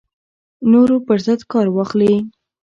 نورو پر ضد کار واخلي